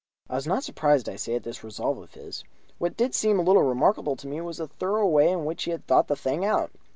I was not surprised, I say, at this resolve of his. What did seem a little remarkable to me was the thorough way in which he had thought the thing out.